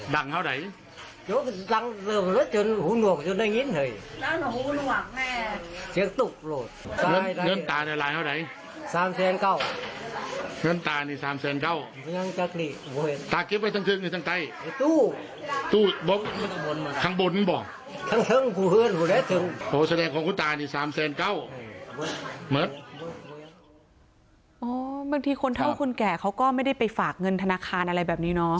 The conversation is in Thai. บางทีคนเท่าคนแก่เขาก็ไม่ได้ไปฝากเงินธนาคารอะไรแบบนี้เนาะ